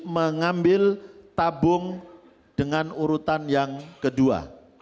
mengambil tabung dengan urutan yang kedua